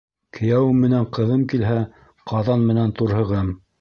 Кейәүем менән ҡыҙым килһә, ҡаҙан менән турһығым.